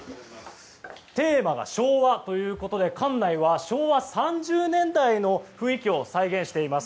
テーマは昭和ということで館内は、昭和３０年代の雰囲気を再現しています。